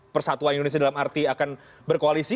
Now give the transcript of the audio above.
persatuan indonesia dalam arti akan berkoalisi